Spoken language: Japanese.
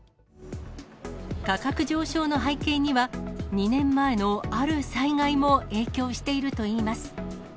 価格上昇の背景には、２年前のある災害も影響しているといいます。